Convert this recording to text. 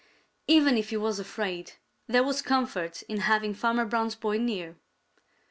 Even if he was afraid, there was comfort in having Farmer Brown's boy near.